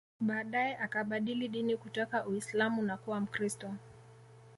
Baadae akabadili dini kutoka Uislam na kuwa Mkristo